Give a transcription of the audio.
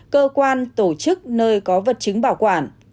cơ quan tổ chức nơi có vật chứng bảo quản